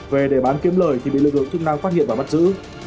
về để bán kiếm lời thì bị lực lượng chức năng phát hiện và bắt giữ